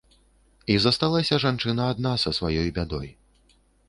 І засталася жанчына адна са сваёй бядой.